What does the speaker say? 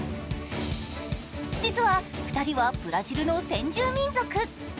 実は２人はブラジルの先住民族。